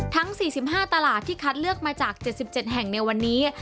ทั้ง๔๕ตลาดที่คัดเลือกมาจาก๗๗แห่งในวันนี้